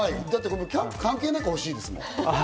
僕、キャンプ関係なく欲しいですもん。